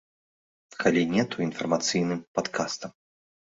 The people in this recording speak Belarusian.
Калі не, то інфармацыйным падкастам.